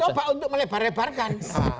anda yang mencoba untuk melebar rebarkan